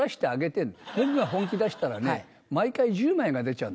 僕が本気出したらね毎回１０枚が出ちゃうんだよ。